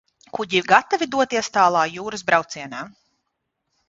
Kuģi gatavi doties tālā jūras braucienā.